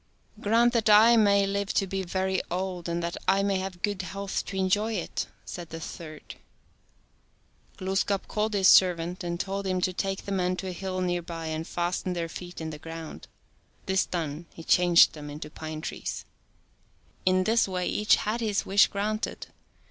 " Grant that I may live to be very old, and that I may have good health to enjoy it," said the third. 83 Glooskap called his servant and told him to take the men to a hill near by and fasten their feet in the ground. This done he changed them into pine trees. In this way each had his wish granted.